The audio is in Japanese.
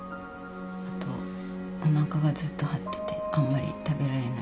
あとおなかがずっと張っててあんまり食べられない。